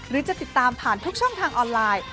หรือจะติดตามผ่านทุกช่องทางออนไลน์